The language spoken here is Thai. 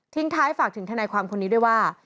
ท้ายฝากถึงทนายความคนนี้ด้วยว่า